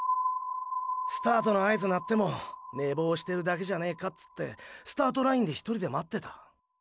スタートの合図鳴ってもねぼうしてるだけじゃねーかつってスタートラインで１人で待ってた。